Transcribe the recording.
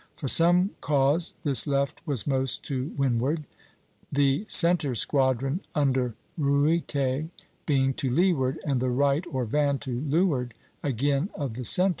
For some cause this left was most to windward, the centre squadron under Ruyter being to leeward, and the right, or van, to leeward again of the centre.